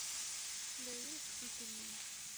Clair Pinckney.